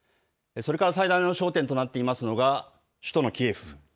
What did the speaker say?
それから最大の焦点となっていますのが、首都のキエフ。